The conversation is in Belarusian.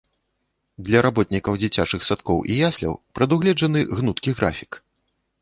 Для работнікаў дзіцячых садкоў і ясляў прадугледжаны гнуткі графік.